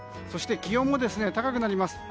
そして気温も高くなります。